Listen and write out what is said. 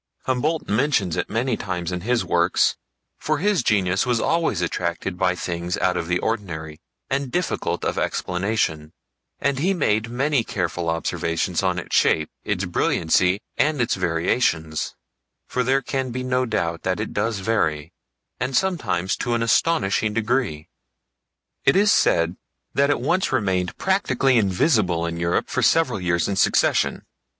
Humboldt mentions it many times in his works, for his genius was always attracted by things out of the ordinary and difficult of explanation, and he made many careful observations on its shape, its brilliancy, and its variations; for there can be no doubt that it does vary, and sometimes to an astonishing degree. It is said that it once remained practically invisible in Europe for several years in succession.